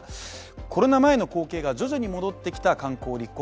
コロナ前の光景が徐々に戻ってきた観光立国